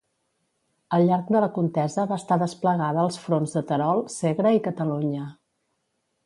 Al llarg de la contesa va estar desplegada als fronts de Terol, Segre i Catalunya.